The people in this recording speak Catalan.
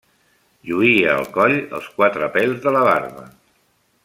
Lluïa al coll, els quatre pèls de la barba.